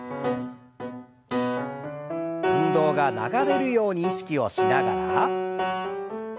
運動が流れるように意識をしながら。